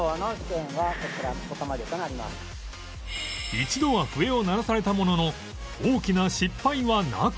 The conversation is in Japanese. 一度は笛を鳴らされたものの大きな失敗はなく